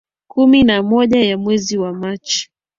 kumi na moja ya mwezi wa machi